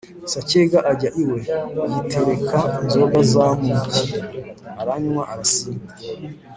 Sacyega ajya iwe, yitereka inzoga z'amuki, aranywa arasinda.